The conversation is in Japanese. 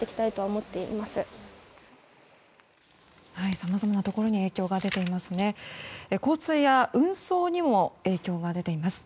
さまざまなところに影響が出ていますね。